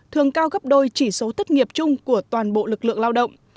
thường cao gấp đôi chỉ số thất nghiệp chung của toàn bộ lực lượng